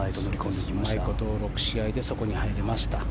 うまいこと６試合でそこに入れました。